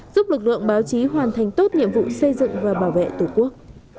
giúp lực lượng báo chí hoàn thành tốt nhiệm vụ xây dựng và bảo vệ tổ quốc